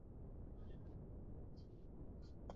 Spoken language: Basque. Horren ondoren, literatura izan zuen lanbide bakar.